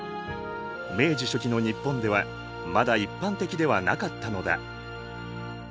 明治初期の日本ではまだ一般的ではなかったのだ。